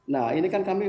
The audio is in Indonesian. nah ini kan kami